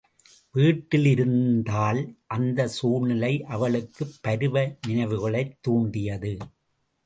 வீட்டில் இருந்தால் அந்தச் சூழ்நிலை அவளுக்குப் பருவ நினைவுகளைத் துண்டியது.